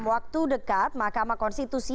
waktu dekat mahkamah konstitusi